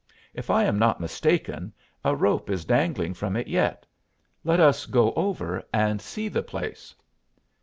If I am not mistaken, a rope is dangling from it yet. Let us go over and see the place."